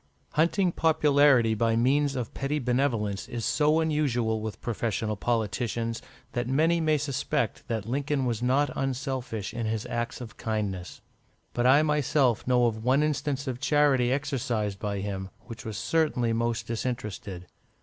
Hunting popularity by means of petty benevolence is so usual with professional politicians, that many may suspect that Lincoln was not unselfish in his acts of kindness. But I myself know of one instance of charity exercised by him, which was certainly most disinterested.